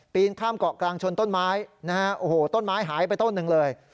ปีนข้ามเกาะกลางชนต้นไม้ต้นไม้หายไปต้นหนึ่งเลย